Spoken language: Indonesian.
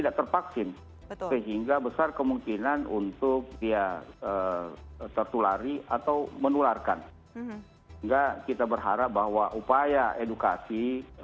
dan berdampak kesehatan yang berkonsekuensi